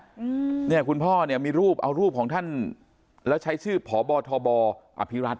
อืมเนี่ยคุณพ่อเนี่ยมีรูปเอารูปของท่านแล้วใช้ชื่อพบทบอภิรัต